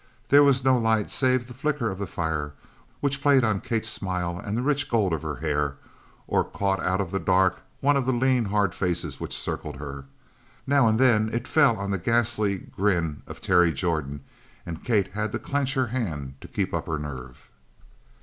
There was no light save the flicker of the fire, which played on Kate's smile and the rich gold of her hair, or caught out of the dark one of the lean, hard faces which circled her. Now and then it fell on the ghastly grin of Terry Jordan and Kate had to clench her hand to keep up her nerve.